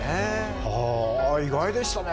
はあ意外でしたね。